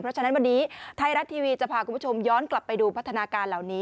เพราะฉะนั้นวันนี้ไทยรัฐทีวีจะพาคุณผู้ชมย้อนกลับไปดูพัฒนาการเหล่านี้